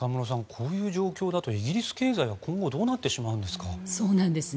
こういう状況だとイギリス経済は今後どうなってしまうんですか？